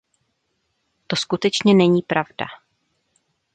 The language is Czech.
To skutečně není pravda.